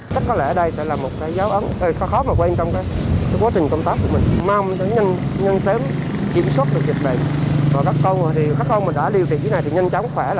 chắc có lẽ ở đây sẽ là một cái giáo ấn khó khó mà quay trong cái quá trình công tác